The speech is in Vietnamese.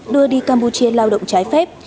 đưa đi campuchia lao động trái phép